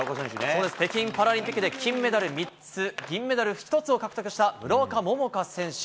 そうです、北京パラリンピックで金メダル３つ、銀メダル１つを獲得した村岡桃佳選手。